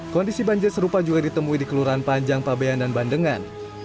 kondisi banjir serupa juga ditemui di kelurahan panjang pabean dan bandengan